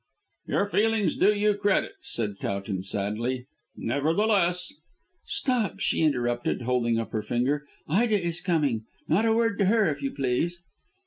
"Your feelings do you credit," said Towton sadly; "nevertheless " "Stop!" she interrupted, holding up her finger. "Ida is coming. Not a word to her, if you please."